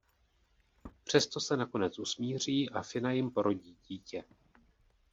Přesto se nakonec usmíří a Fina jim porodí dítě.